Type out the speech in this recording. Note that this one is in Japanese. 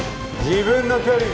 自分の距離！